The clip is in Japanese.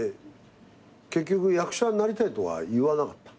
結局役者になりたいとは言わなかった。